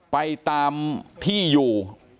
ไปตามที่อยู่